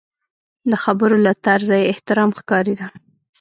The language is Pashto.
د خبرو له طرزه یې احترام ښکارېده.